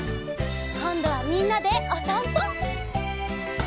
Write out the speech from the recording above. こんどはみんなでおさんぽ！